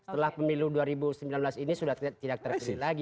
setelah pemilu dua ribu sembilan belas ini sudah tidak terpilih lagi